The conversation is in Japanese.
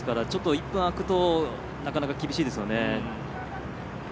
１分開くとなかなか、厳しいですよね。